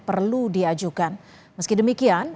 perlu diajukan meski demikian